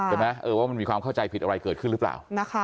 ว่ามันมีความเข้าใจผิดอะไรเกิดขึ้นหรือเปล่า